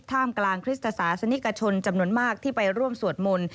ท่ามกลางคริสตศาสนิกชนจำนวนมากที่ไปร่วมสวดมนต์